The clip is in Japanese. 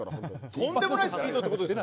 とんでもないスピードということですね。